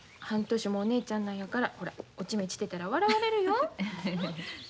半年もお姉ちゃんなんやからほらおしめしてたら笑われるよ。